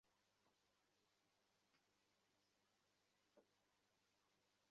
আমি ভেবেছিলুম, বড়ো জোর এক টাকা কি দু টাকা লাগবে।